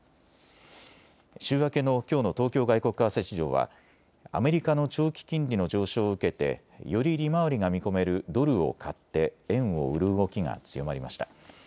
週明けのきょうの東京外国為替市場はアメリカの長期金利の上昇を受けてより利回りが見込めるドルを買って円を売る動きが強まりました。